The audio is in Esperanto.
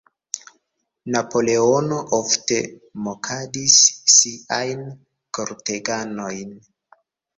Napoleono ofte mokadis siajn korteganojn.